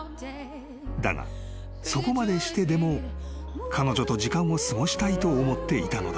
［だがそこまでしてでも彼女と時間を過ごしたいと思っていたのだ］